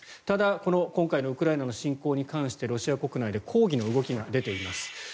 ただ今回のウクライナの侵攻に関してロシア国内で抗議の動きが出ています。